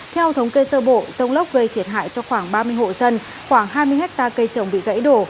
theo thống kê sơ bộ dông lốc gây thiệt hại cho khoảng ba mươi hộ dân khoảng hai mươi hectare cây trồng bị gãy đổ